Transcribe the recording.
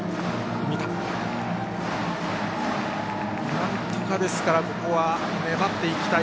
なんとかここは粘っていきたい